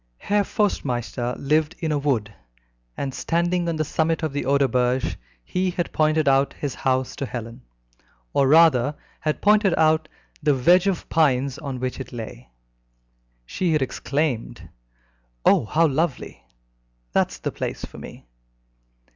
Herr Forstmeister lived in a wood, and standing on the summit of the Oderberge, he had pointed out his house to Helen, or rather, had pointed out the wedge of pines in which it lay. She had exclaimed, "Oh, how lovely! That's the place for me!"